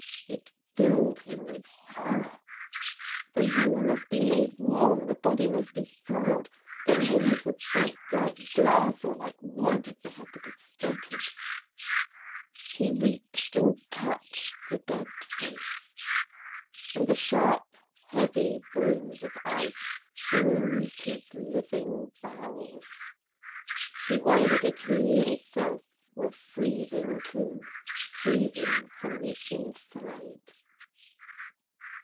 It filled him with horror. The room must be made warm, the body must be thawed. The limbs would break like glass or like wood if they had to be straightened. He reached and touched the dead face. And the sharp, heavy bruise of ice bruised his living bowels. He wondered if he himself were freezing too, freezing from the inside.